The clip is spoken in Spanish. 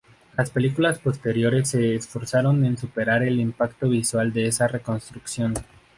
Las películas posteriores se esforzaron en superar el impacto visual de esa reconstrucción.